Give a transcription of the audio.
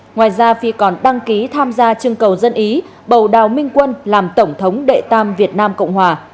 ngoài ra phi còn đăng ký tham gia chương cầu dân ý bầu đào minh quân làm tổng thống đệ tam việt nam cộng hòa